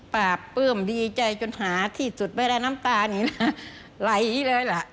ปากเปิ้มดีใจจนหาที่สุดไปแล้วน้ำตาลนี่ล่ะไหลเลยล่ะ